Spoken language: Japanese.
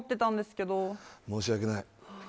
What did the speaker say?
申し訳ない。